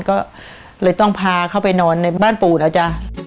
ก็เลยต้องพาเข้าไปนอนในบ้านปู่นะจ๊ะ